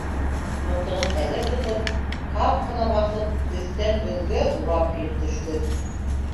Мылтығын әҙер тотоп, һаҡ ҡына баҫып, өҫтән өңгә урап килеп төштө.